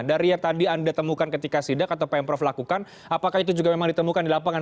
dari yang tadi anda temukan ketika sidak atau pm prof lakukan apakah itu juga memang ditemukan di lapangan